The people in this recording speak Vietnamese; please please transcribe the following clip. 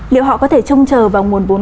liệu họ có thể chung chờ vào nguồn vốn